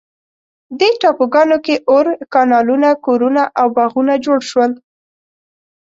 دې ټاپوګانو کې اور، کانالونه، کورونه او باغونه جوړ شول.